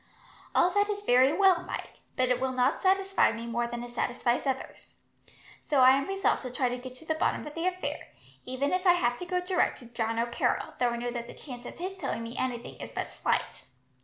"All that is very well, Mike; but it will not satisfy me more than it satisfies others. So I am resolved to try to get to the bottom of the affair, even if I have to go direct to John O'Carroll, though I know that the chance of his telling me anything is but slight.